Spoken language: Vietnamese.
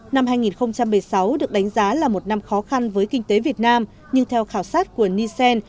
năm hai nghìn một mươi sáu được đánh giá là một năm khó khăn với kinh tế việt nam nhưng theo khảo sát của nielsen